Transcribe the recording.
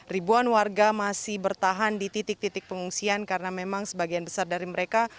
ribuan warga masih bertahan di titik titik pengungsian karena memang sebagian besar dari mereka